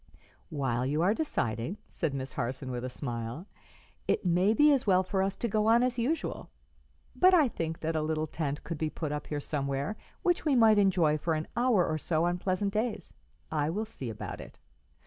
"While you are deciding," said Miss Harson, with a smile, "it may be as well for us to go on as usual; but I think that a little tent could be put up here somewhere, which we might enjoy for an hour or so on pleasant days. I will see about it."